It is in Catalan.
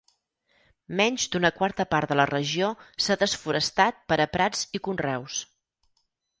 Menys d'una quarta part de la regió s'ha desforestat per a prats i conreus.